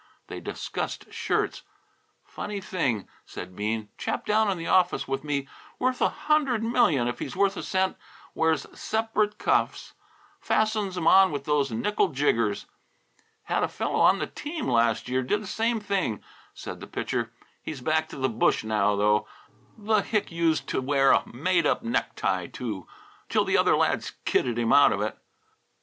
They discussed shirts. "Funny thing," said Bean. "Chap down in the office with me, worth about a hundred million if he's worth a cent, wears separate cuffs; fastens 'em on with those nickel jiggers." "Had a fellow on the team last year did the same thing," said the Pitcher. "He's back to the bush now, though. The hick used to wear a made up neck tie, too, till the other lads kidded him out of it."